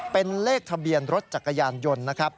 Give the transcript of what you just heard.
เป็นเลขทะเบียนรถจักรยานยนต์นะครับ